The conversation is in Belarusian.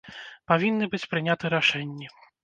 Павінны быць прыняты рашэнні.